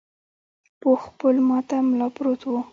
پوخ پل ماته ملا پروت و.